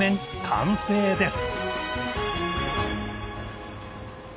完成です！